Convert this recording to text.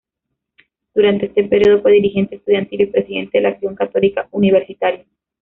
Durante este período fue dirigente estudiantil y presidente de la Acción Católica Universitaria.